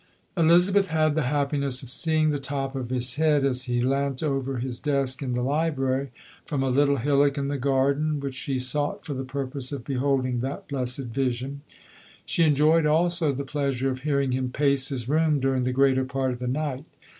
Elizabeth had the happiness of seeing the top of his head as he leant over his desk in the library, from a little hillock in the garden, which she sought for the purpose of beholding that blessed vision. She enjoyed also the plea sure of hearing him pace his room during the greater part of the night.